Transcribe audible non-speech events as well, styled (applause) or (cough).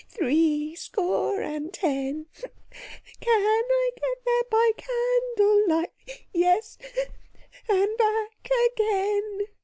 Three score and ten! (sniffs) Can I get there by candle light? Yes, (sniffs) and back again!"